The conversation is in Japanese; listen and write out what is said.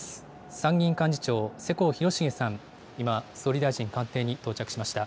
参議院幹事長、世耕弘成さん、今、総理大臣官邸に到着しました。